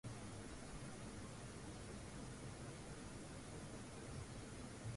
Pamoja na mzozo unaokua na ukosefu wa utulivu